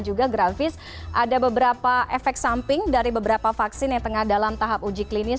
juga grafis ada beberapa efek samping dari beberapa vaksin yang tengah dalam tahap uji klinis